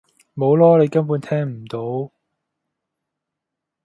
冇囉！你根本聽唔到！